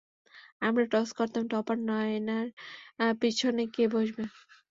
আমরা টস করতাম টপার নায়নার পিছনে কে বসবে।